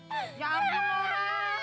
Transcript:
hahaha siapu laura